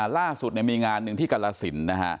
ล่าสุดเนี่ยมีงานหนึ่งที่กรรศิลป์นะฮะ